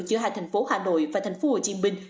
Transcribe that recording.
giữa hai thành phố hà nội và thành phố hồ chí minh